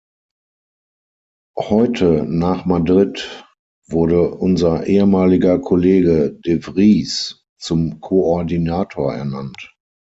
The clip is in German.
Heute, nach Madrid, wurde unser ehemaliger Kollege de Vries zum Koordinator ernannt.